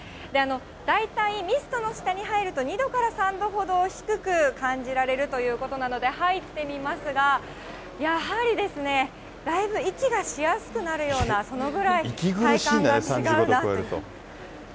大体ミストの下に入ると、２度から３度ほど低く感じられるということなので、入ってみますが、やはりですね、だいぶ息がしやすくなるような、息苦しんんだね、３５度を超えると。